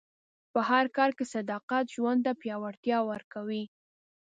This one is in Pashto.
په هر کار کې صداقت ژوند ته پیاوړتیا ورکوي.